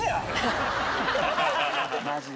マジで。